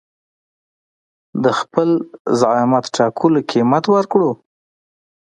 د خپل زعامت ټاکلو قيمت ورکړو.